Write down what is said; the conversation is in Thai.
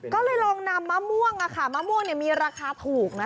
ก็เลยลองนำมะม่วงมะม่วงมีราคาถูกนะ